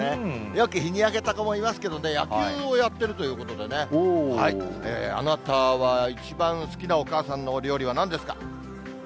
よく日に焼けた子もいますけどね、野球をやってるということでね、あなたは一番好きなお母さんのお料理はなんですか？